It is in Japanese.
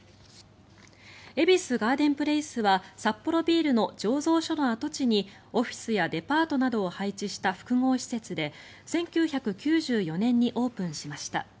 恵比寿ガーデンプレイスはサッポロビールの醸造所の跡地にオフィスやデパートなどを配置した複合施設で１９９４年にオープンしました。